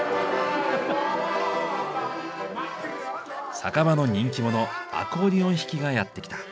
酒場の人気者アコーディオン弾きがやって来た。